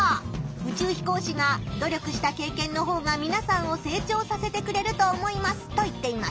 宇宙飛行士が「努力した経験のほうがみなさんを成長させてくれると思います」と言っています。